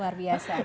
wah luar biasa